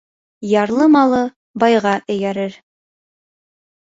Ярлы малы байға эйәрер.